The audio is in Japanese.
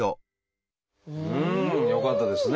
うん！よかったですね。